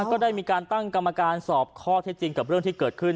ก็ได้มีการตั้งกรรมการสอบข้อเท็จจริงกับเรื่องที่เกิดขึ้น